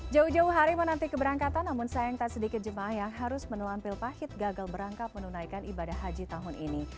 jauh jauh hari menanti keberangkatan namun sayang tak sedikit jemaah yang harus menelampil pahit gagal berangkat menunaikan ibadah haji tahun ini